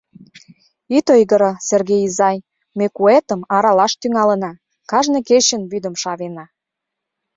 — Ит ойгыро, Серге изай, ме куэтым аралаш тӱҥалына, кажне кечын вӱдым шавена.